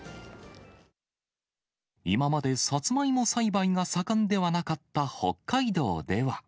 今までサツマイモ栽培が盛んではなかった北海道では。